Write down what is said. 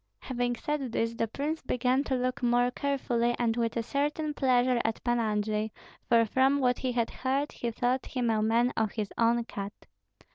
Having said this, the prince began to look more carefully and with a certain pleasure at Pan Andrei, for from what he had heard he thought him a man of his own cut.